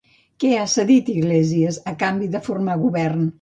Què ha cedit Iglesias a canvi de formar govern?